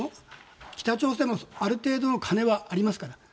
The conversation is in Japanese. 北朝鮮もある程度の金はありますから。